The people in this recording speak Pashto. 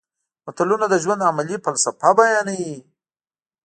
متلونه د ژوند عملي فلسفه بیانوي